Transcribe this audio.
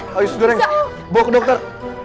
hai ayo goreng bawa ke dokter